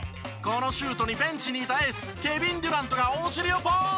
このシュートにベンチにいたエースケビン・デュラントがお尻をポーン！